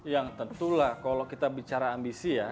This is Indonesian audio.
yang tentulah kalau kita bicara ambisi ya